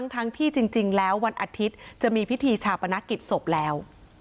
ทั้งที่จริงแล้ววันอาทิตย์จะมีพิธีชาปนกิจศพแล้ว